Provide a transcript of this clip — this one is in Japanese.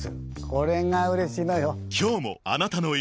これがうれしいのよ。